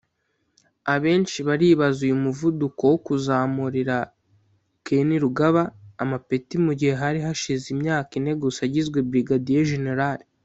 Abenshi baribaza uyu muvuduko wo kuzamurira Kainerugaba amapeti mu gihe hari hashize imyaka ine gusa agizwe Brigadier-General